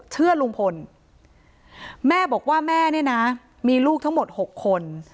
เชื่อลุงพลแม่บอกว่าแม่เนี่ยนะมีลูกทั้งหมด๖คน